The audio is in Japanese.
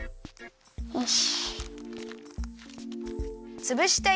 よし。